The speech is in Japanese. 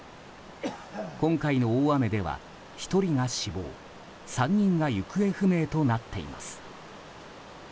今回の大雨では１人が死亡３人が行方不明となっています。